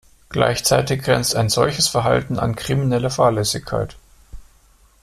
Gleichzeitig grenzt ein solches Verhalten an kriminelle Fahrlässigkeit.